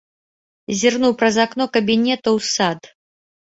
Зірнуў праз акно кабінета ў сад.